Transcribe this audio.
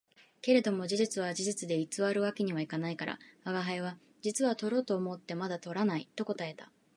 けれども事実は事実で偽る訳には行かないから、吾輩は「実はとろうとろうと思ってまだ捕らない」と答えた